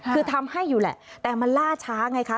คือทำให้อยู่แหละแต่มันล่าช้าไงคะ